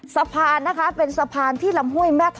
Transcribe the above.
สะพานนะคะเป็นสะพานที่ลำห้วยแม่ทอ